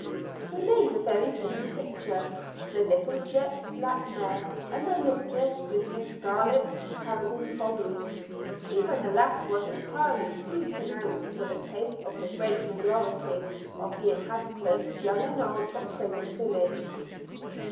They made a very pretty picture, the little jet black mare, and the mistress with her scarlet paragon bodice, even if the latter was entirely too pronounced for the taste of the great majority of the inhabitants, young and old, of Salem village.